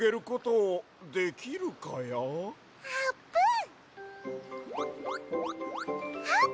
あーぷん！